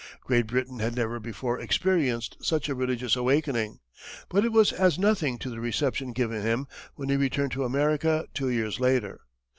Great Britain had never before experienced such a religious awakening; but it was as nothing to the reception given him when he returned to America two years later.